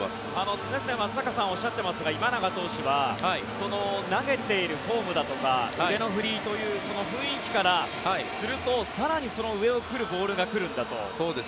常々、松坂さんがおっしゃってますが今永投手は投げているフォームだとか腕の振りというその雰囲気からすると更にその上を行くボールが来るんだと。